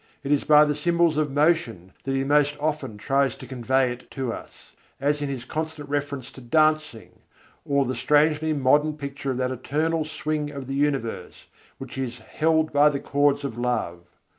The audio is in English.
It is by the symbols of motion that he most often tries to convey it to us: as in his constant reference to dancing, or the strangely modern picture of that Eternal Swing of the Universe which is "held by the cords of love."